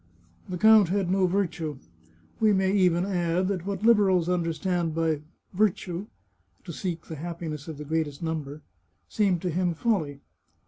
" The count had no virtue ; we may even add that what Liberals understand by virtue (to seek the happiness of the greatest number) seemed to him folly.